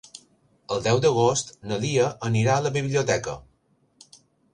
El deu d'agost na Lia anirà a la biblioteca.